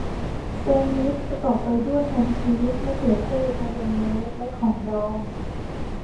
แซนด์วิชประกอบไปด้วยแฮมชีสมะเขือเทศมายองเนสและของดอง